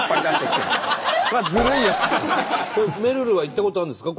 めるるは行ったことあるんですか？